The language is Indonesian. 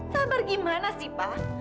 sabar gimana sih pak